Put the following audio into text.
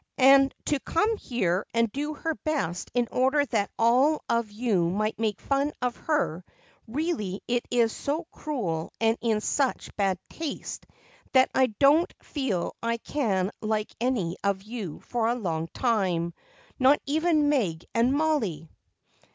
And to come here and do her best in order that all of you might make fun of her, really it is so cruel and in such bad taste I don't feel I can like any of you for a long time, not even Meg and Mollie."